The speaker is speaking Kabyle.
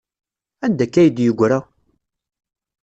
Anda akka ay d-yeggra?